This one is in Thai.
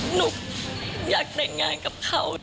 หนูอยากแต่งงานกับเขา